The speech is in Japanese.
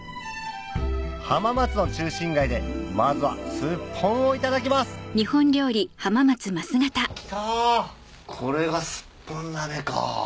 浜松の中心街でまずはすっぽんをいただきます来たこれがすっぽん鍋か。